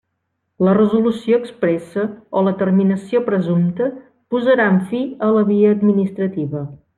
La resolució expressa o la terminació presumpta posaran fi a la via administrativa.